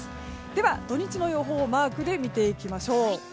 では土日の予報をマークで見ていきましょう。